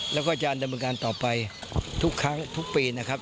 แล้วก็จะดำเนินการต่อไปทุกครั้งทุกปีนะครับ